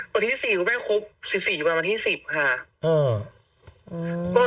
วันที่สี่คุณแม่ครบสี่สี่วันวันที่สิบค่ะอืออือ